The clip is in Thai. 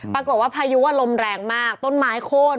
ปรากฏว่าพายุอารมณ์แรงมากต้นไม้โค้น